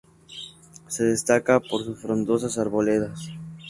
Se destaca por sus frondosas arboledas.